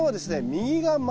右が前。